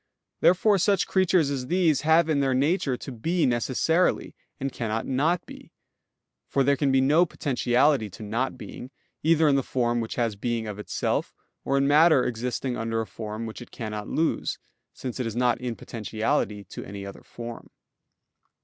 Therefore such creatures as these have in their nature to be necessarily, and cannot not be; for there can be no potentiality to not being, either in the form which has being of itself, or in matter existing under a form which it cannot lose, since it is not in potentiality to any other form.